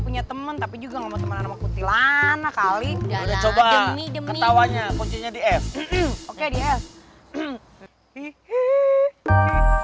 punya temen tapi juga mau teman aku tilana kali udah coba demi ketawanya kuncinya di es oke di es